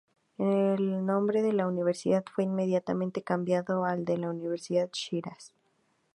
El nombre de la universidad fue inmediatamente cambiado al de Universidad Shiraz.